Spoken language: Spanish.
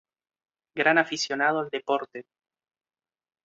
Gran aficionado al deporte.